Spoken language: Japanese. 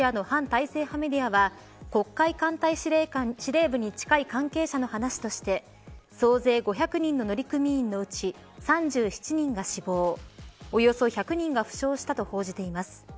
体制派メディアは黒海艦隊司令部に近い関係者の話として総勢５００人の乗組員のうち３７人が死亡およそ１００人が負傷したと報じています。